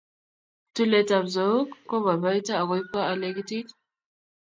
tulet ap zouk kopaipaito akoipwa alekitit